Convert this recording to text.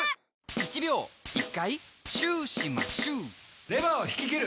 「１秒１回シューしまシュー」レバーを引き切る！